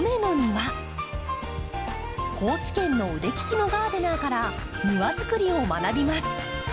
高知県の腕利きのガーデナーから庭づくりを学びます。